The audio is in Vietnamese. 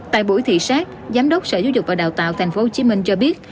tại buổi thị xác giám đốc sở giáo dục và đào tạo tp hcm cho biết